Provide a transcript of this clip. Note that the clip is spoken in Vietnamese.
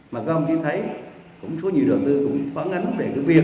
mà các ông chỉ thấy cũng số nhiều đầu tư cũng phản ánh về cái việc